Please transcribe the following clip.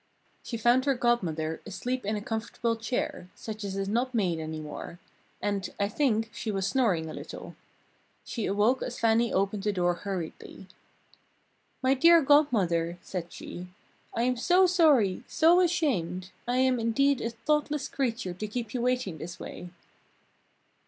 She found her Godmother asleep in a comfortable chair, such as is not made any more; and, I think, she was snoring a little. She awoke as Fannie opened the door hurriedly. "My dear Godmother," said she, "I am so sorry! so ashamed! I am indeed a thoughtless creature to keep you waiting this way!"